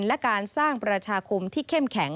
และการสร้างประชาคมที่เข้มแข็ง